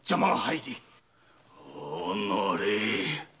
おのれ！